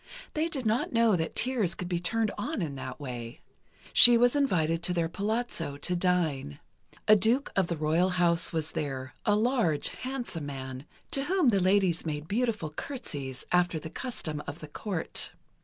They did not know that tears could be turned on in that way. She was invited to their palazzo, to dine. A duke of the royal house was there, a large, handsome man, to whom the ladies made beautiful curtsies, after the custom of the Court.